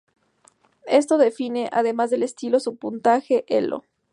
Esto define, además del estilo, su puntaje Elo.